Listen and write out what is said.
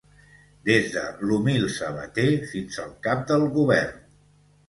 des de l'humil sabater fins al cap del govern